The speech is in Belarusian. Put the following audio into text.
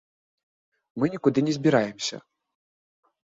Мы нікуды не збіраемся.